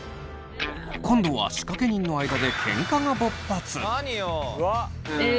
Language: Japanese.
今度は仕掛け人の間でケンカが勃発！